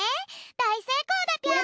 だいせいかいだぴょん！